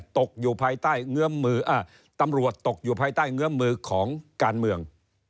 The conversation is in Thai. ตกอยู่ภายใต้เงื้อมมือตำรวจตกอยู่ภายใต้เงื้อมมือของการเมือง